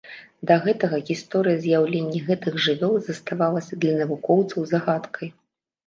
Да гэтага гісторыя з'яўлення гэтых жывёл заставалася для навукоўцаў загадкай.